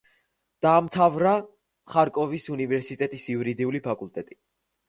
დაამთავრა ხარკოვის უნივერსიტეტის იურდიული ფაკულტეტი.